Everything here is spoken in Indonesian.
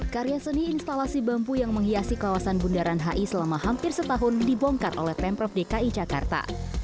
karya seni instalasi bambu yang menghiasi kawasan bundaran hi selama hampir setahun dibongkar oleh pemprov dki jakarta